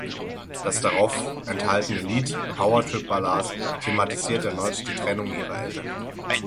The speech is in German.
Das darauf enthaltene Lied "Power Trip Ballad" thematisiert erneut die Trennung ihrer Eltern.